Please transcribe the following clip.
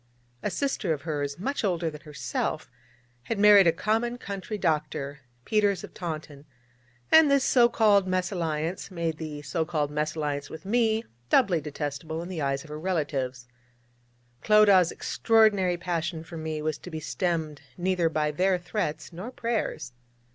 A sister of hers, much older than herself, had married a common country doctor, Peters of Taunton, and this so called mésalliance made the so called mésalliance with me doubly detestable in the eyes of her relatives. But Clodagh's extraordinary passion for me was to be stemmed neither by their threats nor prayers.